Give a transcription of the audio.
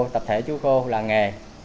tập thể chuối khô là nghề